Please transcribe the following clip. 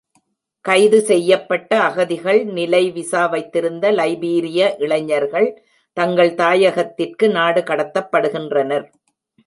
கைது செய்யப்பட்ட அகதிகள்-நிலை விசா வைத்திருந்த லைபீரிய இளைஞர்கள் தங்கள் தாயகத்திற்கு நாடு கடத்தப்படுகின்றனர்.